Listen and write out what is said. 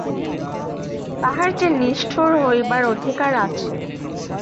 তাহার যে নিষ্ঠুর হইবার অধিকার আছে।